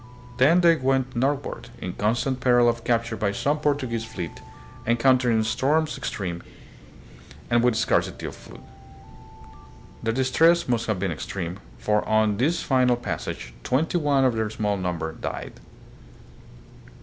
Then they went northward, in constant peril of capture by some Portuguese fleet, encountering storms and with scarcity of food. Their distress must have been extreme, for on this final passage twenty one of their small number died.